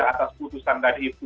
atas keputusan tadi itu